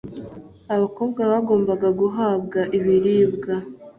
abakobwa bagomba guhabwa ibiribwa